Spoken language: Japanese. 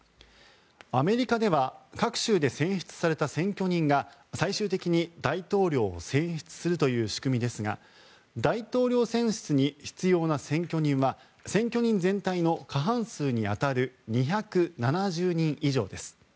アメリカでは各州で選出された選挙人が最終的に大統領を選出するという仕組みですが大統領選出に必要な選挙人は選挙人全体の過半数に当たる２７０人以上です。